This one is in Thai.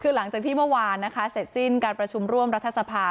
คือหลังจากที่เมื่อวานนะคะเสร็จสิ้นการประชุมร่วมรัฐสภา